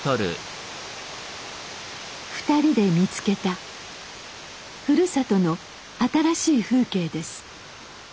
２人で見つけたふるさとの新しい風景です。